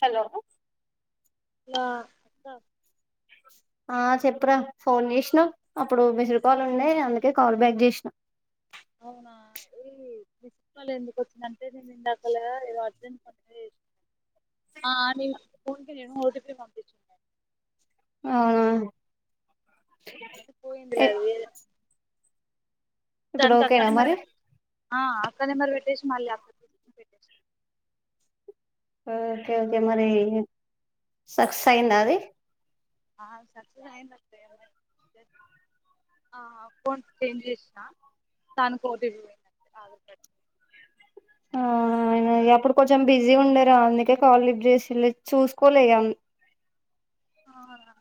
Hello లో అక్కా ఆ చెప్పు రా ఫోన్ జేసినవ్ అప్పుడు మిస్డ్కాలు ఉండే అందుకే కాల్ బ్యాక్ జేస్నా అవునా ఏ మిస్కాల్ ఎందుకు వచ్చింది అంటే నేను ఇందాకలా ఏదో అర్జెంట్ పనుంటే చేసిన నీ ఫోన్ కి నేను ఓటీపీ పంపించ అవునా అయితే పోయిందిలే ఏ అది ఇప్పుడు దానికి అక్క ఓకేనా నెంబర్ మరి పెట్టే ఆ అక్క నెంబర్ పెట్టేసి మల్లి [unintelligible] ఓకే ఓకే మరి సక్సస్ అయ్యిందా అది ఆ సక్సెస్ అయింద ఆ అకౌంట్ చేంజ్ చేసినా దానికి ఓ టి పీ పొయ్యింది అంతే ఆధార్ కార్డ ఆ అప్పుడు కొంచెం బిజీ ఉండే రా అందుకే కాల్ లిఫ్ట్ చేసైలె చూసుకోలేగా అవ్నా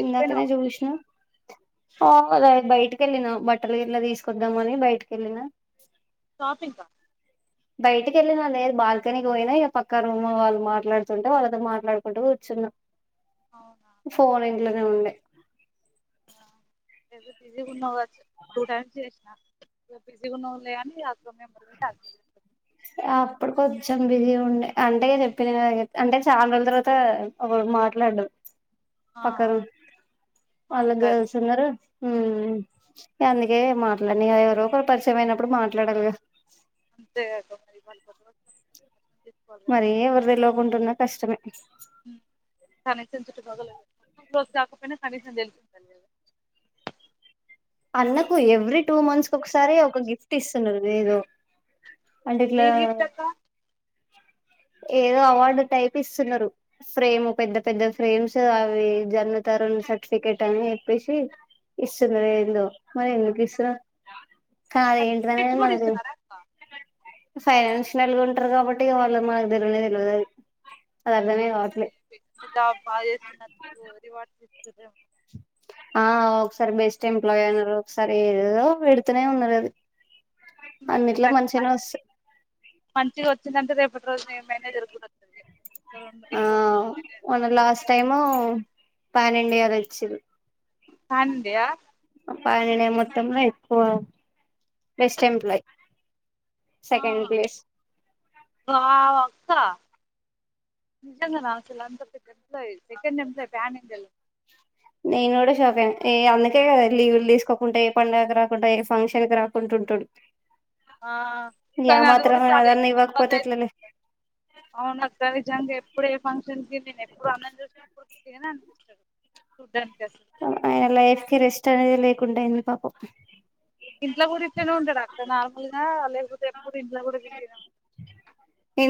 ఇందాకనే జూస్నా కావాలే బయటికి వెళ్ళినా బట్టలు గిట్ల తీసుకొద్దాము అని బయటికి వెళ్ళిన షాపింగ్ గా బయటకి వెళ్ళినా లేదు బాల్కనీకి పోయినా ఇక పక్కా రూమ్ వాళ్ళు మాట్లాడుతుంటే వాళ్ళతో మాట్లాడుకుంటూ కూర్చున్నా. అవునా ఫోన్ ఎం లేదా ఉన్డాయ్ ఏదో బిజీ ఉన్నా కవచ్చు టూ టైమ్స్ చేసినా బిజీ ఉన్నవ్ లే అని అ మెంబర్ పెట్టి [inaudible] అప్పుడు కొంచెం బిజీగా ఉండే అంటే చెప్పిన అంటే చాలా రోజుల తర్వాత ఒకడ్ మాట్లాడిన్ ఆ పక్కారు వాళ్ళ మాట్లాడలే గర్ల్స్ ఉన్నారు ఊ అందుకే మాట్లాడని ఎవరో ఒకరు పరిచయం అయినప్పుడు మాట్లాడాలిగా అంతే కదా చేసుకోవాలి కదా మరీ ఎవరి తెలోకుంటున్నా కష్టమే కనీసించు మగలే మొత్తం క్ కాకపోయినా కనీసం తెలుసింద కదా అన్నకు ఎవ్రీ టూ మంత్స్ ఒకసారి ఒక గిఫ్ట్ ఇస్తున్నారు ఏదో అంటే ఇట్లా ఏం గిఫ్ట్ అక్క ఏదో అవార్డు టైపు ఇస్తున్నారు ఫ్రేమ్ పెద్ద పెద్ద ఫ్రేమ్స్ అవి జన్న్నతరు సర్టిఫికెట్ అని చెప్పేసి ఇస్తున్నారు. మరి ఎందుకు ఇస్తున్నారో కాదే సర్టిఫికెట్స్ ఏంటిదనేది కూడా మనకు ఇస్తున్నారా అక్క ఫైనాన్షియల్ వాళ్ళు ఉంటారు కాబట్టి వాళ్ళు మకు తెలియలేదు తెలిదు అద అర్థమే కావట్లే జాబ్ బాగా చేస్తుంది రివార్డ్ ఆ ఒకసారి బెస్ట్ ఎంప్లాయీ అయిన ఒకసారి ఏదో పెడుతూనే ఉన్నారు. అది ఇంకెంది అన్నిట్లో మంచిగానే మరి మంచి వస్తాయి మంచిగా వచ్చిందంటే రేపు రోజు మేము మేమే తిరుగుతం ఆ మోన్న లాస్ట్ టైము [unintelligible] వచ్చిలు [unintelligible] పనినే మొత్తంలో ఎక్కువ బెస్ట్ ఎంప్లాయ్ ఆ సెకండ్ ప్లేస్ వావ్ అక్క నిజంగా రా అసలు అంత పెద్ద ఎంప్లాయ్ సెకండ్ ఎంప్లాయ్ పనికేల్ నేను కూడా షాక్ అయిన ఏ అందుకే కదా లీవులు తీసుకోకుండా ఏ పండుగకి రాకుండా ఏ ఫంక్షన్ కి రాకుండా ఉంటాడు ఆ ఇగ ఆ కానీ అది కూడా మాత్రం చాల అదన్నా ఇబ్బంది ఇవ్వకపోతే అయితుంది ఎట్లలే అవును అక్క విజాం చెప్పావ్ ఇప్పుడ ఫంక్షన్ కి నేను ఎప్పుడు అన్నం చూసినప్పుడు అనిపిస్తాడు చూడ్డానికి అసలు అయన ఎప్పుడు బిజీ లైఫ్ కి రెస్ట్ అనేది లేకుండా అయింది పాపం ఇంట్లో కూడా ఇట్లనే ఉంటాడాఅక్క నార్మల్ గా లేకపోతే ఎప్పుడు ఇంట్లో కూడా బిజగా ఉంట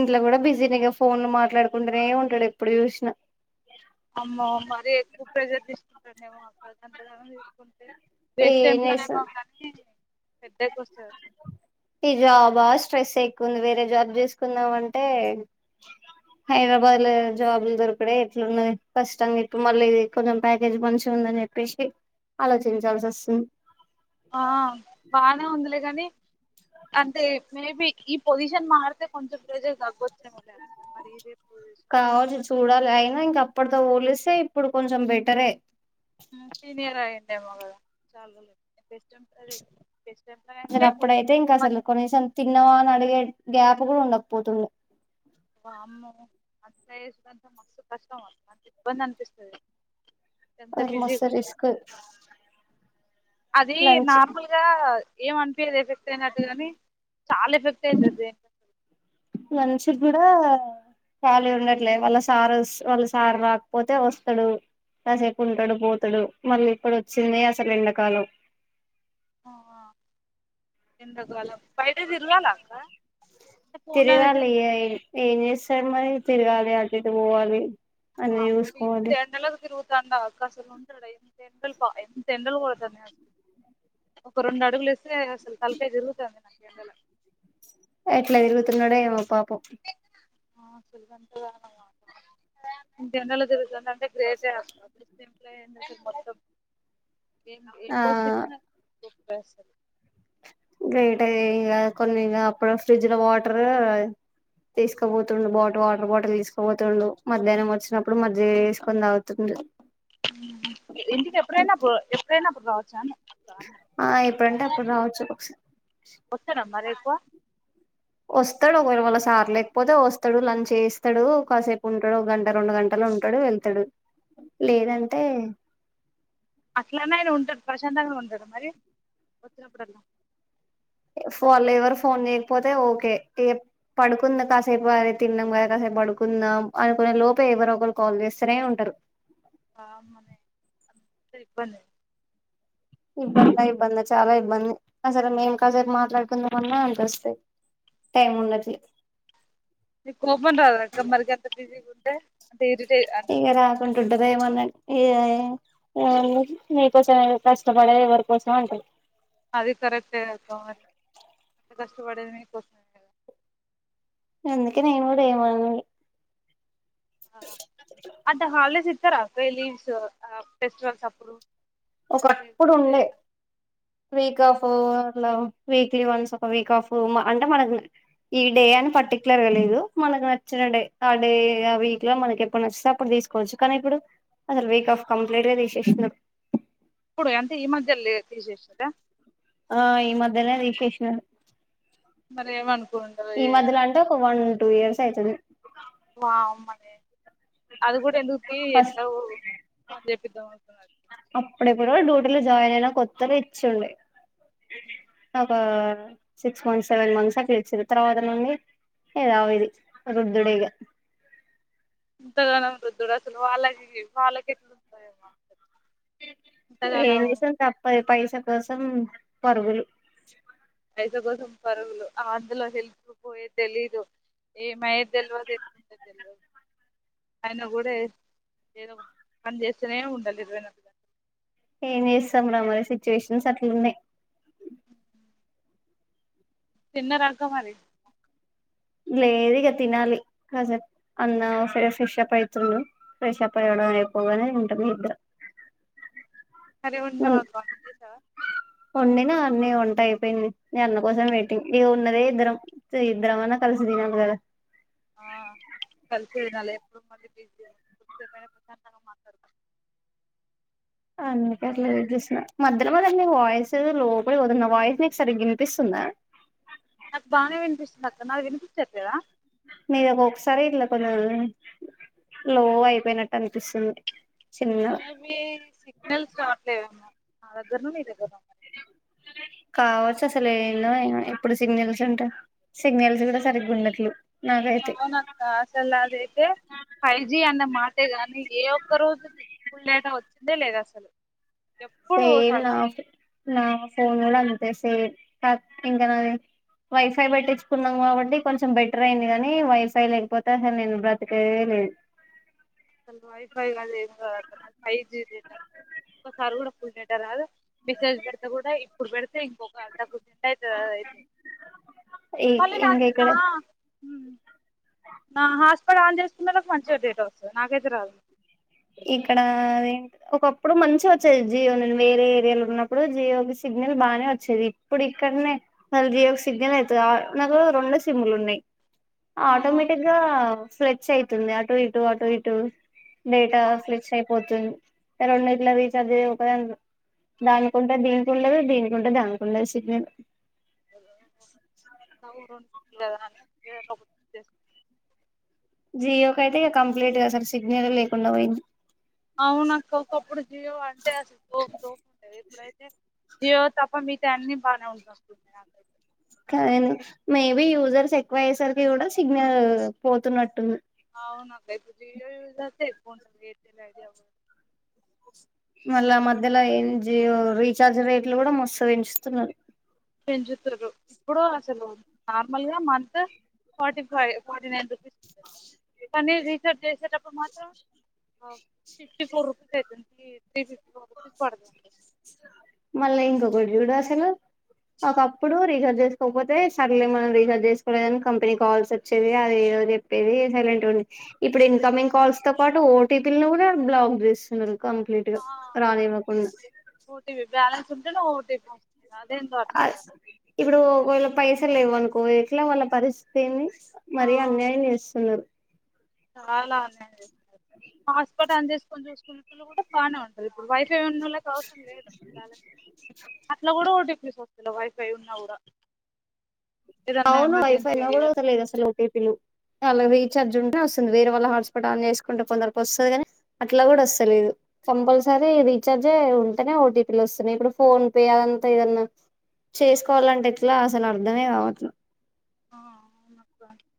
ఇంట్లో కూడా బిజీనిగా ఫోన్లు మాట్లాడుకుంటూనే ఉంటాడు ఎప్పుడు చూసినా అమ్మ మర ఎక్కువ ప్రెజర్ తీసుకునే అక్కడంత తీ రేస్ ఏం చేస్తాం [unintelligible] పెద్దకి వస్తారు సార్ ఈ జాబా స్ట్రెస్ ఎక్కువంది వేరే జాబ్ చేసుకుందాంంటే హైదరాబాద్ లో జాబ్లు దొరికడ ఎట్లున్నా కష్టంగా ఇప్పుడు మళ్ళీ కొంచెం ప్యాకేజ్ మంచి ఉందని చెప్పేసి ఆలోచించాల్సి వస్తుంది. ఆ బానే ఉందిలే కాని అంతే మేబి ఈ పోజిషన్ మారీతే కొంచం ప్రేజర్ తగ్గొచ్చు కావచ్చు చూడాల అయినా ఇంకా ఇప్పటితో పోలిస్తే ఇప్పుడు కొంచెం బెటరే సీనియర్ ఆగింద మగ చాలస్ అసలు అప్పుడైతే ఇంకా అసలు కొన్నిసం తిన్నావా అని అడిగే గ్యాప కూడా ఉండపోతున్నా అమ్ మంతయసంత మసు కష్టం మ అంత ఇబంద అనిపిస్తుది మోసం రిస్క్ అది లంచ్ నార్మల్గా ఏ మనపిద ట్ అయినట్టుగాని చాలా ఎఫెక్ట్ అవుతుది ద లంచ్ ఖాళీ ఉండట్లే వాళ్ళ సారు వాళ్ళ సార్ రాకపోతే వస్తాడు కాసేపు ఉంటాడు పోతాడు మళ్ళీ ఇక్కడ వచ్చింది అసలు ఎండాకాలం ఎంతకు అల ఫైవ్ డేస్ ఇల్వాలా అక్క ఫోన్ లోనే తిరగాలి చేసు ఏం చేస్తారు మరి తిరగాలి అంటితే పోవాలి అన్ని అమ్ ఇంత చూసుకోవాలి ఎల ఇరు అసలు ఉంటాడు ఎమి ఎండలు ఎనిమి ఎండలు కొడతా అసలు ఒక రెండు అడుగులు వస్త అసలు తల్కాయ జరుగుతు అద నా కేందల ఎట్లా ఇరుగుతు నోడ ఏమ పాప ప ఆ సులుదంటగా ఇంకెన్నలో తిరుగుతు అంటే గ్రేటస్తంట్లో ఏ మొత్తం ఏ ఏ ఆ పస్తి బస్ గైట్ అయ ఇక కొన్ని అప్పుడు ఫ్రిడ్జ్ లో వాటర్ తీసుకోపోతుడు బాటిల్ వాటర్ బాటిల్ తీసుకోపోతుడు మధ్యాహ్నం వచ్చినప్పుడు మధ్య వేసుకొని అవుతుంది ప్రేనాపుర్వచ్చా ఆ ఇప్పుడుంటే అప్పుడు రావచ్చు ఒకసారి కు వస్తాడు ఒకవేళ వాళ్ళ సార్ లేకపోతే వస్తాడు లంచ్ చేస్తాడు కాసేపు ఉంటాడు ఒక గంట రెండు గంటలో ఉంటాడు వెళ్తాడు లేదంటే అట్లనే ఆయన ఉంటాడు ప్రశాంతంగా ఉంటాడు మరి వచ్చినప్పుడల్లా ఫోన్ ఎవరు ఫోన్ చేయకపోతే ఓకే పడుకుందాం కాసేపు అది తిన్నాం కదా కాసేపు పడుకుందాం అనుకునే లోప ఎవరు ఒకరు కాల్ చేస్తారే ఉంటారు ఆ మనే అప్పనే ఇబ్బందా ఇబ్బందా చాలా ఇంది ఇబ్బంది అసరే మేం కాసరి మాట్లాడుకుందామన్నా అనింత వస్తాయి నీ కోపం రాదా అక్క మరిగాంత బిజ అ ఈగ రాకుంంట ఉడ్దా ఏ మన్నా ఇ మీకోసం కష్టపడ ఎవరి కోసం అంటుంది అది కరెక్టే కక్క మరి అ కష్టపడేది మీకు వసం కదా ఎందుకే నేను కూడా ఏమన్ది హా అట హాల్డేస్ ఇస్తారా ఫైవ్ లీవ్స్ ఆ ఫెస్టివల్స్ అప్పుడు ఒకప్పుడు లేకపోతే ఉండే week off hello weekly once ఒక వీక్ ఆఫు అంటే మనకు ఈ డే అని పర్టికులర్ గా లేదు. మనకు నచ్చిన డే ఆ డే ఆ వీక్ లో మనకి ఎప్పుడు నచ్చితే అప్పుడు తీసుకోవచ్చు. కానీ, ఇప్పుడు అసలు వీక్ ఆఫ్ కంప్లీట్ గా తీసేస్న్నారు ఇప్పుడు అంతే ఈ మధ్య లే తీసేసదా ఆ ఈ మధ్యనే తీసేస్నారు మరి ఏమనుకుంటారు ఏ అంటే ఒక వన్ టూ ఇయర్స్ అయ్తుంది మా అమ్మనే అది గూడా ఎందుకు తీ ఎట్లా ఫస్ట్ చెపిద్దామవుతున్నది అప్పుడేప్పుడో డ్యూటీలో జాయిన్ అయినా కొత్త ఇచ్చుండే ఒక సిక్స్ మంత్స్ సెవెన్ మంత్స్ అట్లా ఇచ్చిర్రు తర్వాత నుండి యదా విది రుద్దుడేగా ఎంతగనం రుద్ధుడు అసలు వాళ్ళ వాళ్ళకి ఎట్లోస్తాయో మనసులు ఏం జేసాం తప్పదు పైస కోసం పగురులు పైస కోసం పరుగులు అందులో హెల్ప్ప్ పోయే తెలీదు ఏమైద్దెల్వదు ఎటు [unintelligible] తెల్వదు ఆయిన గూడా ఏదో పని చేస్తేనే ఉండాలి ఇరవై నాలుగు గంటలు ఏం జేస్తాం రా మరి సిచ్యువేషన్స్ అట్లున్నాయ్ తిన్నరా అక్కా మరి లేదు ఇగ తినాలి కాసేప్ అన్న ఫ ఫ్రెషఅప్ అయితుండు ఫ్రెష్అప్ అవ్వడం అయ్పోగానే ఉంటది నిద్ర అరే వొండినవా అక్కా జేసావా వొండినా అన్నీ వంట అయిపోయింది నీ అన్న కోసం వెయిటింగ్ ఇది ఉన్నదే ఇద్దరం ఇద్దరం అన కలిసి దినల్ల కదా ఆ కలిసి దినల్ల ఎప్పుడు మళ్ళీ బిజి కొద్ది సేపైనా ప్రశాంతంగా మాట్లాడతారు అందుకే అట్లా జేసేసిన మధ్యలో మద నీ వాయిస్ లోపడి పోతుంది నా వాయిస్ నీకు సరిగ్గ ఇనిపిస్తుందా నాకు బానే వినిపిస్తుంది అక్క నాది వినిపిచ్చట్లేదా నీది ఒకొక్కసారి ఇలా కొంచెం లో అయిపోయినట్టు అనిపిస్తుంది చిన్నగా మేబి సిగ్నల్స్ రావట్లేదేమో నా దగ్గర్నా నీ దగ్గర్నా కావచ్చు అసలు ఏమ్ లే సిగ్నల్స్ ఉంటయి సిగ్నల్స్ కూడా సరిగ్గున్నట్లు అవునక్క అసలు నాదైతే ఫైవ్ జీ అన్న మాటే గాని ఏ ఒక్క రోజు ఫుల్ డేట వ వచ్చిందే లేదు అసలు ఎప్పుడు సైడ్ లా సగం ఆఫై నా ఫోన్ గడా అంతే సేమ్ కాక్ ఇంకా న వైఫై పెట్టించుకున్నాం కాబట్టి, కొంచెం బెటర్ అయింది కానీ వైఫై లేకపోతే అసలు నేను బ్రతకేదే లేదు అసలు వైఫై అది ఏం కాదు నాది ఫైవ్ జి డేట ఒకసారి కూడా ఫుల్ డేటా రాదు మెసేజ్ పెడితే కూడా ఇప్పుడు పెడితే ఒక అర్ధకూర్చుంటే ఈ ఇంక ఇక్కడ [unintelligible] నా హాస్ట్పాట్ ఆన్ జెస్ పిల్లలకు మంచిగా డేటా వస్తది నాకైతే రాదు. ఇక్కడ అదే ఒకప్పుడు మంచి వచ్చేది జియో వేరే ఏరియాలో ఉన్నప్పుడు జియోకి సిగ్నల్ బానే వచ్చేది ఇప్పుడు ఇక్కడనే జియోకి సిగ్నల్ అయత నాకు రెండు సిమ్లు ఉన్నాయి ఆహా ఆటోమేటిక్గా ఫ్లెచ్ అయితుంది అటు ఇటు అటు ఇటుూ నే ఫ్లెచ్ అయిపోతుంది రెండు ఇట్ల రీచార్జ్ అయ ఒకద దానికింటే దీనికిండదు దీనికింటే దానికిండదు సిగ్నల్ ఊ కదా అని [unintelligible] జియో క అయితే ఇక కంప్లీట్ గా అసలు సిగ్నల్ లేకుండా పోయింది అవునక్కా ఒకప్పుడు జియో వాడితే అసల్ జీయో తప్ప మిగతావన్నీ బానే ఉంటు నా కాదను మేం ఇవి యూజర్స్ ఎక్కువ అయేసరికి కూడా సిగ్నల్ పోతున్నట్టు ఉంది అవును అక్క జియో యూజర్స్ ఎక్కువ ఉంటుది ఎయిర్టెల్ ఐడియా అవి మళ్ళ మధ్యల ఏం జియో రీచార్జ్ రేట్లు కూడా మస్తు పెంచుతున్నారు పెంచుతుండ్రు ఇప్పుడు అసలు నార్మల్ గా month forty five forty nine rupees ఉంటది కానీ రీచార్జ్ చేసేటప్పుడు మాత్రం ఫిఫ్టీ ఫోర్ రూపీస్ అవుతుంది త్రీ ఫిఫ్టీ ఫోర్ రూపీస్ పడతుంది మళ్ళీ ఇంకొకటి చూడు అసలు ఒకప్పుడు రీచార్జ్ చేసుకోకపోతే సర్లీ మనం రీఛార్జ్ చేసుకోలేదని కంపెనీ కాల్స్ వచ్చేది అది ఏదో చెప్పేది సైలెంట్ ఇప్పుడు ఇన్కమింగ్ కాల్స్ తో పాటు ఓటీపీ ను కూడా బ్లాక్ చేస్తున్నారు కంప్లీట్ గా ఆ రానివ్వకుండా బాలన్స్ ఉంటే ఓటీపీ వస్తుంది అదేందో అర్థం కాదు ఇప్పుడు ఒక వేల పైస లేవు అనుకో ఎట్లా వాళ్ళ పరిస్థితిని ఏంది ఆ మరి అన్యాయం చేస్తున్నారు చాలా అన్యాయం చేస్తున్నారు హాస్పిటల్ అంద చేేసి కొంచెం స్కూల్లు కూడా బానే ఉంటాది ఇప్పుడు వైఫ వైఫై ఉన్నోళ్లకు అవసరం లేదు బాలన్స్ అట్లా కూడా ఓటిపి వైఫై ఉన్నా కూడా ఏదన్నా అవును వైఫై ఎమర్జెన్సీ లో కూడా ఏదన్నా అవతలేదు అసలు ఓటీపీలు అలావి రీచార్జ్ ఉంటేనే వస్తుంది వేరే వాళ్ళ హాట్స్పాట్ ఆన్ చేసుకుంటే కొందరకు వస్తుంది ని అట్లా కూడా వస్తలేదు కంపల్సరీ రీచార్జే ఉంటేనే ఓటీపీలు వస్తున్నాయి ఇప్పుడు ఫోన్ పే అదంతా ఏదన్నా చేసుకోవాలంటే ఇట్లా అసలు అర్థమే కావట్లే ఆ [unintelligible]